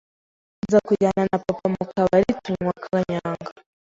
nza kujyana na papa mu kabari tunywa kanyaga